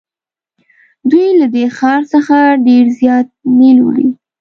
دوی له دې ښار څخه ډېر زیات نیل وړي.